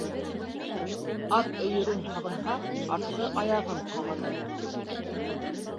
Ат өйөрөн һағынһа, артҡы аяғын ҡағыныр